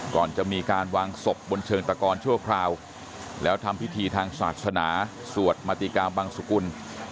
ก่อนจะมีการวางศพบนเชิงตะกอนชั่วคราวแล้วทำพิธีทางศาสนาสวดมติกาบังสุกุล